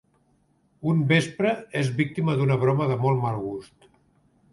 Un vespre, és víctima d'una broma de molt mal gust.